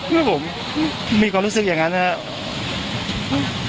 ครับผมมีความรู้สึกอย่างนั้นนะครับ